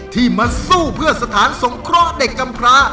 ที่มาสู้เพื่อสถานสงเคราะห์เด็กกำพระ